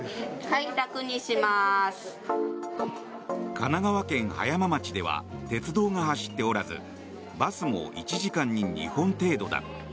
神奈川県葉山町では鉄道が走っておらずバスも１時間に２本程度だ。